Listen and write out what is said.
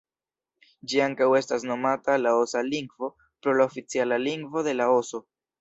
Ĝi ankaŭ estas nomata laosa lingvo pro la oficiala lingvo de Laoso.